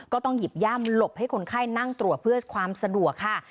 ก็ต้องหยิบย่ำหลบให้คนไข้นั่งตรวจเพื่อความสะดวกค่ะ